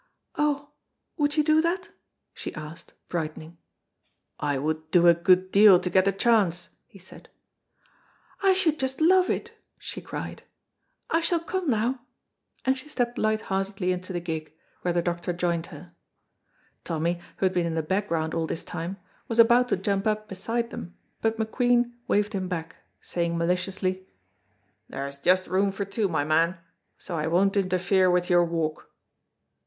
"Oh, would you do that?" she asked, brightening. "I would do a good deal to get the chance," he said. "I should just love it!" she cried. "I shall come now," and she stepped light heartedly into the gig, where the doctor joined her. Tommy, who had been in the background all this time, was about to jump up beside them, but McQueen waved him back, saying maliciously, "There's just room for two, my man, so I won't interfere with your walk."